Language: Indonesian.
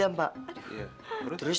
bunuh ya buce rites